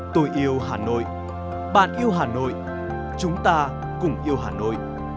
tôi yêu hà nội bạn yêu hà nội chúng ta cùng yêu hà nội